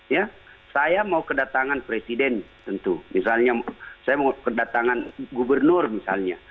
ya saya mau kedatangan presiden tentu misalnya saya mau kedatangan gubernur misalnya